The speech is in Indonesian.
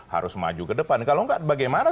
harus maju kedepan kalau enggak bagaimana